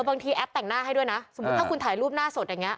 แอปแต่งหน้าให้ด้วยนะสมมุติถ้าคุณถ่ายรูปหน้าสดอย่างนี้